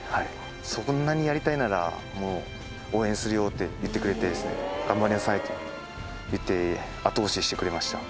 そんなにやりたいなら、もう応援するよって言ってくれて、頑張りなさいと言って、後押ししてくれました。